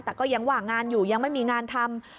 แต่ก็ยังว่างงานอยู่ยังไม่มีงานทำ